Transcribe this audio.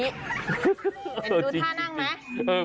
เห็นดูท่านั่งไหม